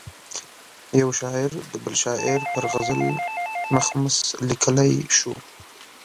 یو شاعر د بل شاعر پر غزل مخمس لیکلای شو.